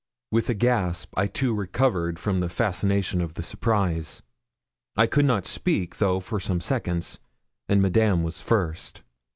With a gasp, I too recovered from the fascination of the surprise. I could not speak though for some seconds, and Madame was first.